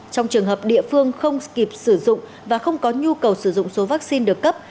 trong trường hợp địa phương không kịp sử dụng và không có nhu cầu sử dụng số vaccine được cấp